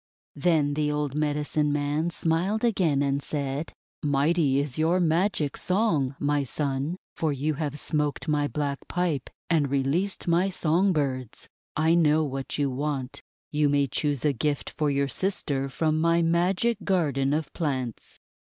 Then the old Medicine Man smiled again, and said: — "Mighty is your magic song, my Son, for you have smoked my black pipe and released my song birds. I know what you want. You may choose a gift for your sister from my Magic Garden of Plants."